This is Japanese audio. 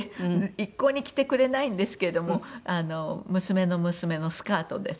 一向に着てくれないんですけども娘の娘のスカートです。